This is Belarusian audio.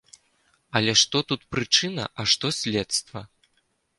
Але што тут прычына, а што следства?